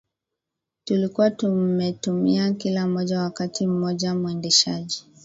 tulikuwa tumetumia kila moja Wakati mmoja mwendeshaji